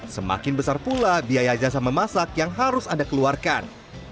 semakin besar pula biaya jasa memasak yang harus anda keluarkan